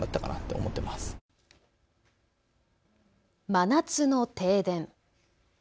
真夏の停電。